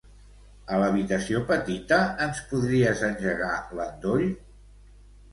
A l'habitació petita ens podries engegar l'endoll?